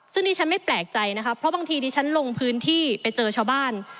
ซึ่งดิฉันไม่แปลกใจนะคะเพราะบางทีดิฉันลงพื้นที่ไปเจอชาวบ้าน